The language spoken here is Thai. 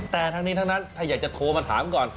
แต่ทั้งนี้ทั้งนั้นถ้าอยากจะโทรมาถามก่อน